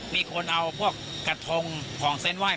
มีคนเอาพวกกระทงของเส้นไหว้